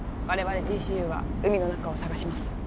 我々ＤＣＵは海の中を捜します